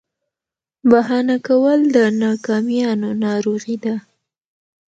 بهانه کول د ناکامیانو ناروغي ده.